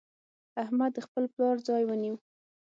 احمد د خپل پلار ځای ونيو.